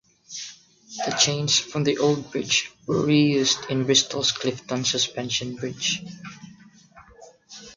The chains from the old bridge were re-used in Bristol's Clifton Suspension Bridge.